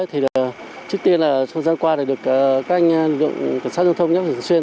trước tiên là thời gian qua được các anh lượng cảnh sát giao thông nhắc thường xuyên